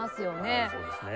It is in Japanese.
はいそうですね。